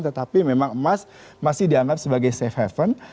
tetapi memang emas masih dianggap sebagai safe haven